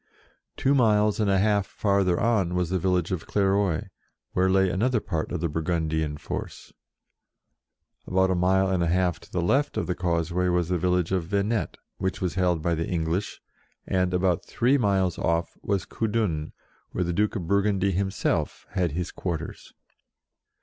Two miles and a half farther on was the village of Clairoix, where lay another part of the Burgundian force. About a mile and a half to the left of the causeway was the village of Venette, which was held by the English, and, about three miles oft", was Coudun, where the Duke of Burgundy himself had his quarters.